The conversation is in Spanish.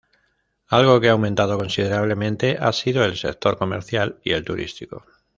Algo que ha aumentado considerablemente ha sido el sector comercial y el turístico.